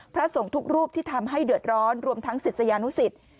พระสงฆ์ทุกรูปที่ทำให้เดือดร้อนรวมทั้งศิษยานุสิต